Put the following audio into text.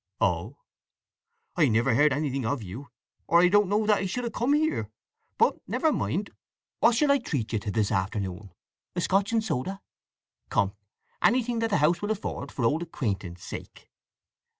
"Oh!" "I never heard anything of you, or I don't know that I should have come here. But never mind! What shall I treat you to this afternoon? A Scotch and soda? Come, anything that the house will afford, for old acquaintance' sake!"